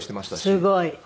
すごい。